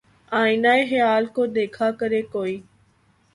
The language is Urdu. آئینۂ خیال کو دیکھا کرے کوئی